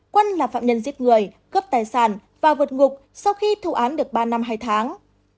quân là phạm nhân giết người cướp tài sản và vượt ngục sau khi thu án được ba năm hai tháng